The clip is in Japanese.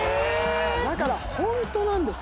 だからホントなんです。